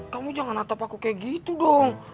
kamu jangan natap aku kayak gitu dong